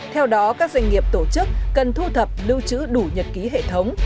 theo đó các doanh nghiệp tổ chức cần thu thập lưu trữ đủ nhật ký hệ thống